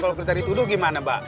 kalau kita dituduh gimana mbak